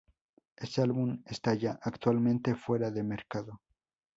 Este álbum está ya, actualmente, fuera de mercado.